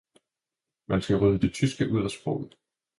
man skal rydde det tyske ud af sproget.